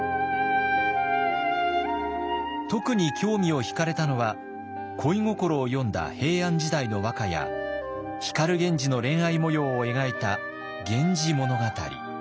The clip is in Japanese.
特に興味を引かれたのは恋心を詠んだ平安時代の和歌や光源氏の恋愛もようを描いた「源氏物語」。